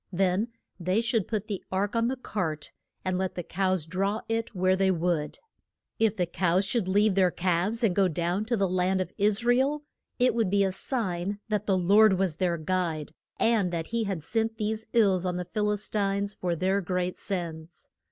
Then they should put the ark on the cart, and let the cows draw it where they would. If the cows should leave their calves and go down to the land of Is ra el, it would be a sign that the Lord was their guide, and that he had sent these ills on the Phil is tines for their great sins.